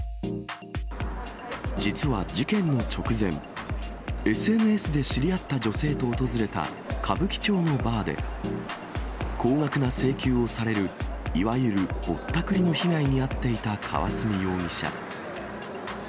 実は事件の直前、ＳＮＳで知り合った女性と訪れた歌舞伎町のバーで、高額な請求をされるいわゆるぼったくりの被害に遭っていた河澄容疑者。